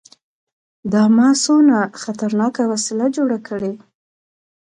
دا ما څونه خطرناکه وسله جوړه کړې.